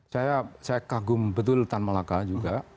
saya kagum betul tan malaka juga